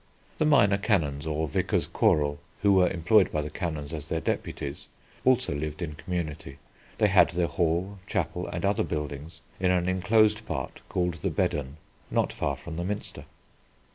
The minor canons, or vicars choral, who were employed by the canons as their deputies, also lived in community. They had their hall, chapel, and other buildings in an enclosed part called the Bedern not far from the Minster.